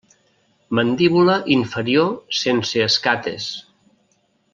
Mandíbula inferior sense escates.